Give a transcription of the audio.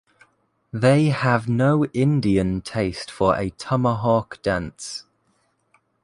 They have no Indian taste for a tomahawk-dance.